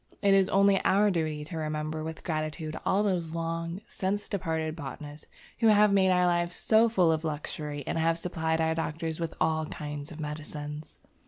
It is only our duty to remember with gratitude all those long since departed botanists who have made our life so full of luxury and have supplied our doctors with all kinds of medicines.